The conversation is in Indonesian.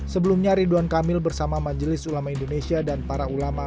sebelumnya ridwan kamil bersama majelis ulama indonesia dan para ulama